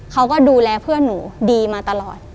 เขาก็ดูแลเพื่อนหนูดีมาตลอด